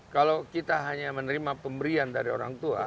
kalau kita hanya menerima pemberian dari orang tua